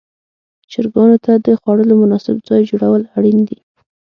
چرګانو ته د خوړلو مناسب ځای جوړول اړین دي.